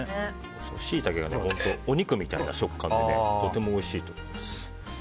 シイタケがお肉みたいな食感でとてもおいしいと思います。